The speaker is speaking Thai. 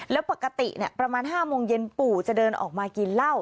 แล้วปกติประมาณ๕โมงเย็นปู่จะเดินออกมากินเหล้า